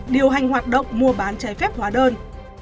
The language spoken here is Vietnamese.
điều hành hoạt động mua bán trái phép hóa đơn